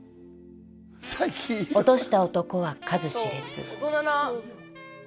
落とした男は数知れず。